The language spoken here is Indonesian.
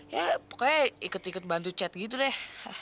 ya pokoknya ikut ikut bantu chat gitu deh